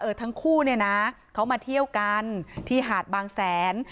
ทั้งคู่เนี่ยนะเขามาเที่ยวกันที่หาดบางแสน